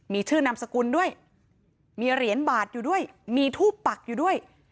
มีชื่อนามสกุลด้วยมีเหรียญบาทอยู่ด้วยมีทูปปักอยู่ด้วย